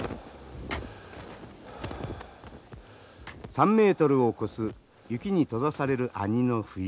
３メートルを超す雪に閉ざされる阿仁の冬。